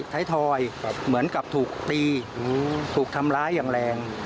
ไทยทอยเหมือนกับถูกตีถูกทำร้ายอย่างแรง